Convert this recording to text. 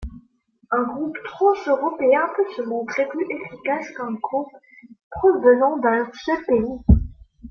Un groupe transeuropéen peut se montrer plus efficace qu'un groupe provenant d'un seul pays.